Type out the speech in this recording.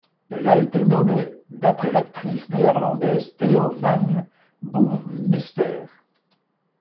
Elle a été nommée d'après l'actrice néerlandaise Theo Mann-Bouwmeester.